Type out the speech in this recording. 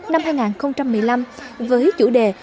năm hai nghìn một mươi năm với chủ đề